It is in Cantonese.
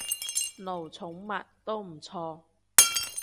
奴寵物，都唔錯